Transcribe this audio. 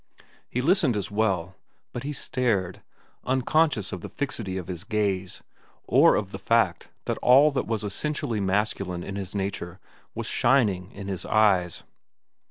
He listened as well, but he stared, unconscious of the fixity of his gaze or of the fact that all that was essentially masculine in his nature was shining in his eyes.